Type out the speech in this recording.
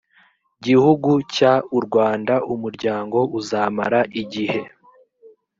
gihugu cy u rwanda umuryango uzamara igihe